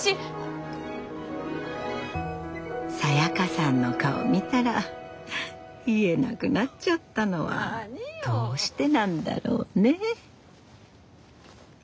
サヤカさんの顔見たら言えなくなっちゃったのはどうしてなんだろうね。